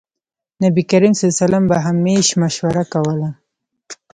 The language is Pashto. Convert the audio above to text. نبي کريم ص به همېش مشوره کوله.